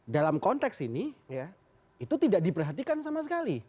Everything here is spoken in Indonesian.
dalam konteks ini itu tidak diperhatikan sama sekali